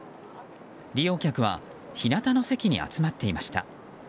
利用客は日なたの席に集まっていました。